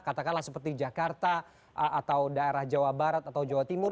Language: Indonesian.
katakanlah seperti jakarta atau daerah jawa barat atau jawa timur